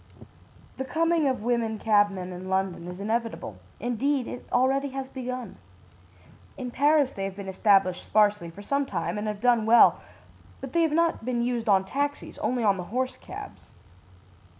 "The coming of women cabmen in London is inevitable indeed, it already has begun. In Paris they have been established sparsely for some time and have done well, but they have not been used on taxis, only on the horse cabs.